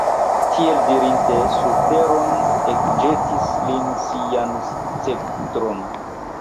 Tiel dirinte, sur teron ekĵetis li sian sceptron.